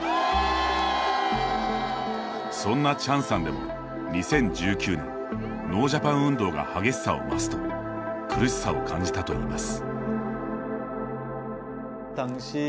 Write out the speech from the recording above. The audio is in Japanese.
そんなチャンさんでも２０１９年ノージャパン運動が激しさを増すと苦しさを感じたといいます。